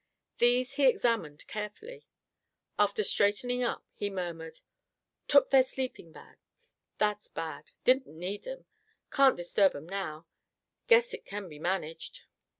These he examined carefully. After straightening up, he murmured: "Took their sleeping bags. That's bad. Didn't need 'em. Can't disturb 'em now. Guess it can be managed."